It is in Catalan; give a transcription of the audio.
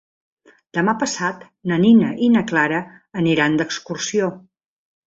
Demà passat na Nina i na Clara aniran d'excursió.